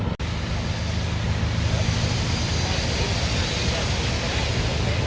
เมื่อเวลาอันดับสุดท้ายจะมีเวลาอันดับสุดท้ายมากกว่า